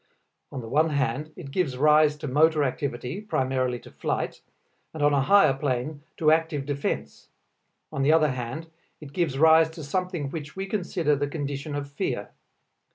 On the one hand, it gives rise to motor activity, primarily to flight, and on a higher plane to active defense; on the other hand, it gives rise to something which we consider the condition of fear.